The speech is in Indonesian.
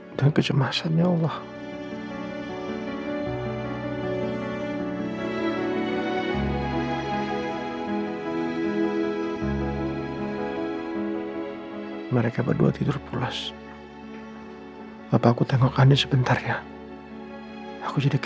udah emangnya papa keluar sebentar ada urusan